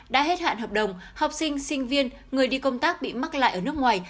đã hết hạn hợp đồng học sinh sinh viên người đi công tác bị mắc lại ở nước ngoài